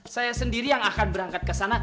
saya sendiri yang akan berangkat kesana